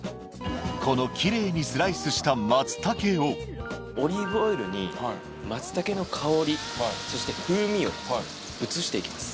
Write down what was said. このきれいにオリーブオイルに松茸の香りそして風味を移していきます